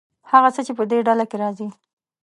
هر څه چې په دې ډله کې راځي.